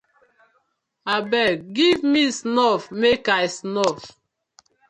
Abeg giv me snuff mek I snuff.